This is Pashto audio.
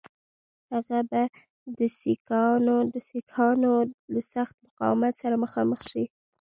هغه به د سیکهانو له سخت مقاومت سره مخامخ شي.